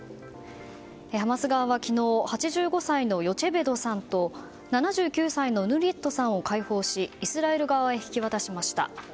ハマス側は昨日、８５歳のヨチェベドさんと７９歳のヌリットさんを解放し、イスラエル側へ引き渡しました。